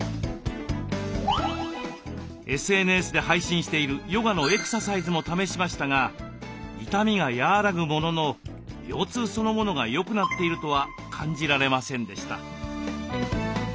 ＳＮＳで配信しているヨガのエクササイズも試しましたが痛みが和らぐものの腰痛そのものが良くなっているとは感じられませんでした。